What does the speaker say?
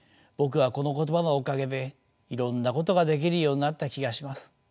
僕はこの言葉のおかげでいろんなことができるようになった気がします。